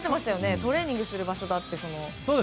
トレーニングする場所だって。